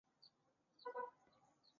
此时医院设备人员匮乏。